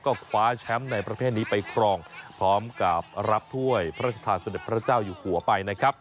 ก็คว้าแชมป์ในประเภทนี้ไปครองพร้อมกับรับถ้วยพระราชทานเสด็จพระเจ้าอยู่หัวไปนะครับ